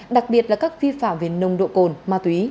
đặc biệt là các phi phạm về nông độ cồn ma túy